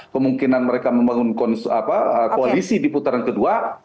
kemungkinan mereka membangun koalisi di putaran kedua